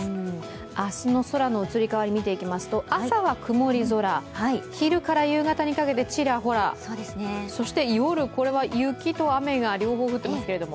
明日の空の移り変わり、見てみますと朝は曇り空、昼から夕方にかけてちらほら、そして夜これは雪と雨が両方降ってますけれども。